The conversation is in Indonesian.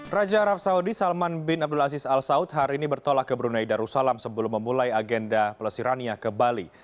raja arab saudi salman bin abdul aziz al saud hari ini bertolak ke brunei darussalam sebelum memulai agenda pelesirannya ke bali